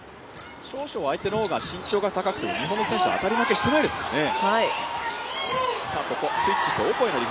少々、相手の方が身長が高くても日本の選手は当たり負けしていませんからね。